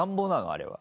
あれは。